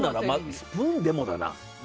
スプーンでもだな。